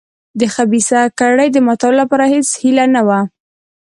د خبیثه کړۍ د ماتولو لپاره هېڅ هیله نه وه.